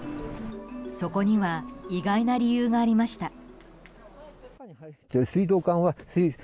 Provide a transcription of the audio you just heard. そこには意外な理由がありました。